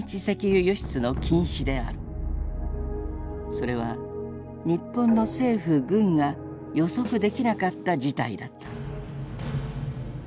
それは日本の政府軍が予測できなかった事態だった。